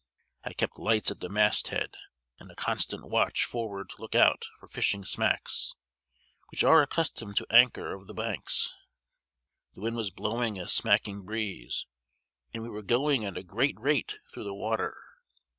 I kept lights at the mast head, and a constant watch forward to look out for fishing smacks, which are accustomed to anchor of the banks. The wind was blowing a smacking breeze, and we were going at a great rate through the water.